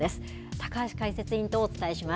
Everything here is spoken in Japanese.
高橋解説委員とお伝えします。